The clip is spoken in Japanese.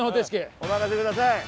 お任せください。